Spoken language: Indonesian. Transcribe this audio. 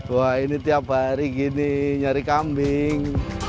wah ini tiap hari gini nyari kambing